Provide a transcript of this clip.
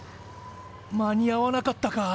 間に合わなかったか。